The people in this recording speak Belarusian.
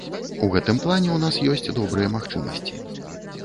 У гэтым плане ў нас ёсць добрыя магчымасці.